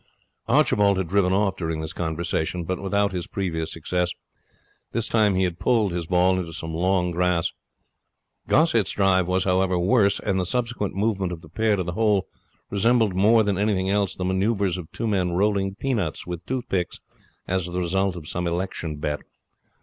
Archibald had driven off during this conversation, but without his previous success. This time he had pulled his ball into some long grass. Gossett's drive was, however, worse; and the subsequent movement of the pair to the hole resembled more than anything else the manoeuvres of two men rolling peanuts with toothpicks as the result of an election bet.